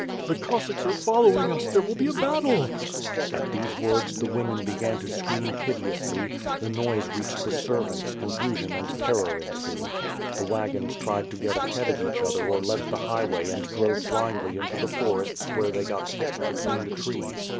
"The Cossacks are following us, there will be a battle." At these words, the women began to scream piteously; the noise reached the servants; confusion and terror ensued. The 3o8 W^^^ ^^^^^^^ SWORD, wagons tried to get ahead of each other or left the highway and drove blindly into the forests where they got fixed be tween the trees.